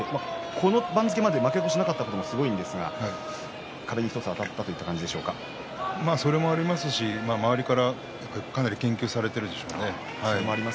この番付まで負け越しがなかったこともすごいんですが壁にあたった周りからかなり研究されているでしょうね。